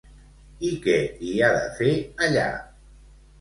I què hi ha de fer allà?